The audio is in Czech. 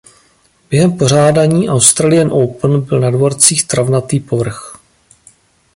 Během pořádání Australian Open byl na dvorcích travnatý povrch.